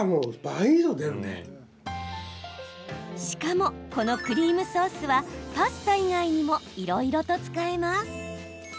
しかも、このクリームソースはパスタ以外にもいろいろと使えます。